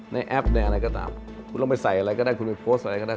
ในแอปอะไรก็ตามคุณลงไปใส่อะไรก็ได้คุณไปโพสต์ด้วยก็ได้